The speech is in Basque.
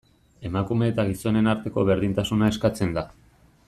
Emakume eta gizonen arteko berdintasuna eskatzen da.